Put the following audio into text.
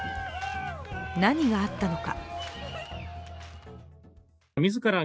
何があったのか。